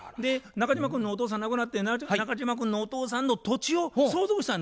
中島君のお父さん亡くなって中島君のお父さんの土地を相続した。